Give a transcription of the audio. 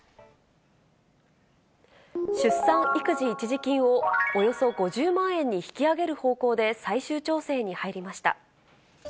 出産育児一時金をおよそ５０万円に引き上げる方向で最終調整に入りました。